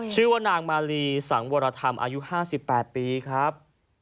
ชื่อว่านางมาลีสังวรธรรมอายุ๕๘ปีครับ